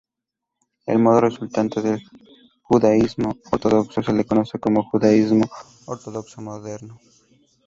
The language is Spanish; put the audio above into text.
El modo resultante del judaísmo ortodoxo se le conoce como judaísmo ortodoxo moderno.